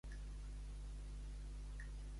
Ser un besuc.